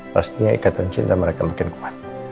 pastinya ikatan cinta mereka makin kuat